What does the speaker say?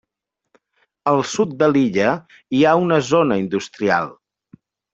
Al sud de l'illa hi ha una zona industrial.